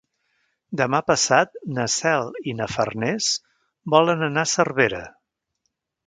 Demà passat na Cel i na Farners volen anar a Cervera.